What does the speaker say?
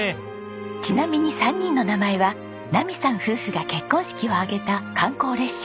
ちなみに３人の名前は奈美さん夫婦が結婚式を挙げた観光列車